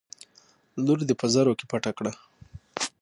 لور دې په زرو کې پټه کړه.